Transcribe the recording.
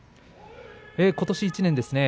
ことし１年ですね